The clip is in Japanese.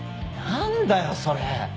何だよそれ！